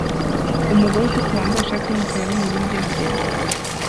Umugore utukura wambaye ishati yumukara aruma ibiryo bye